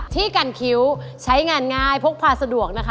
ที่กันคิ้วใช้งานง่ายพกพาสะดวกนะคะ